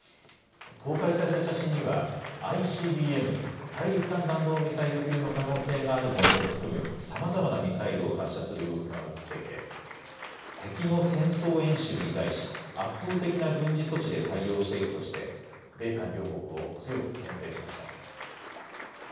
公開された写真には、ＩＣＢＭ・大陸間弾道ミサイル級の可能性があるものを含むさまざまなミサイルを発射する様子が写っていて、敵の戦争演習に対し、圧倒的な軍事措置で対応していくとして、米韓両国を強くけん制しました。